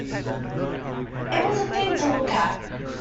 It was a thing to look at.